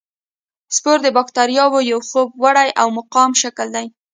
سپور د باکتریاوو یو خوب وړی او مقاوم شکل دی.